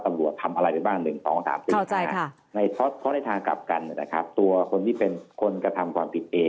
ตำรวจทำอะไรเป็นบ้าง๑ถาม